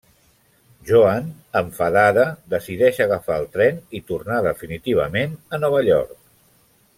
Joan, enfadada, decideix agafar el tren i tornar definitivament a Nova York.